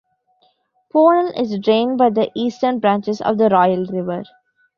Pownal is drained by the eastern branches of the Royal River.